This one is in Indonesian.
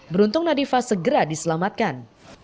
beruntung nadifah segera diselamatkan